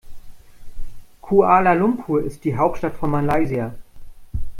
Kuala Lumpur ist die Hauptstadt von Malaysia.